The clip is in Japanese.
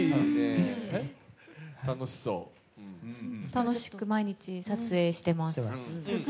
楽しく毎日撮影しています。